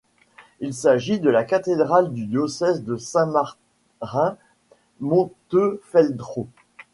Il s'agit de la cathédrale du diocèse de Saint-Marin-Montefeltro.